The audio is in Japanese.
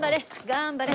頑張れ！